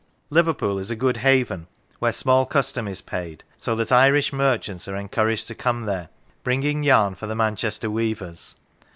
Liverpool is a good haven, where small custom is paid, so that Irish merchants are encouraged to come there, bringing yarn for the Manchester weavers.